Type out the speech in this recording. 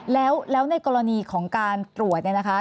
แล้วในกรณีของการตรวจเนี่ยนะคะ